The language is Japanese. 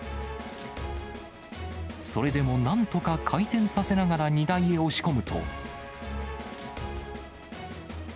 それでもなんとか回転させながら荷台へ押し込むと。